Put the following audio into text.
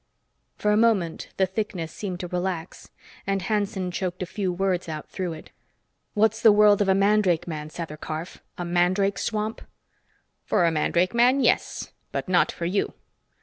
For a moment, the thickness seemed to relax, and Hanson choked a few words out through it. "What's the world of a mandrake man, Sather Karf? A mandrake swamp?" "For a mandrake man, yes. But not for you."